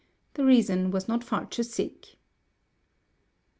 The reason was not far to seek.